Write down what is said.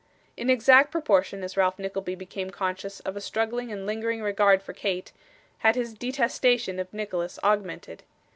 In exact proportion as Ralph Nickleby became conscious of a struggling and lingering regard for Kate, had his detestation of Nicholas augmented.